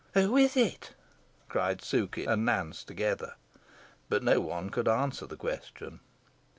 "Who is it?" cried Sukey and Nance together. But no one could answer the question.